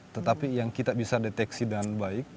tetapi yang kita bisa deteksi dengan baik